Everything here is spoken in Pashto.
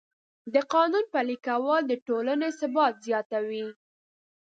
د قانون پلي کول د ټولنې ثبات زیاتوي.